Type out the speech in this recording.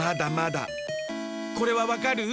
これはわかる？